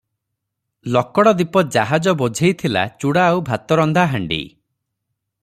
ଲକଡ଼ ଦ୍ୱୀପ ଜାହାଜ ବୋଝେଇ ଥିଲା ଚୁଡ଼ା ଆଉ ଭାତରନ୍ଧା ହାଣ୍ଡି ।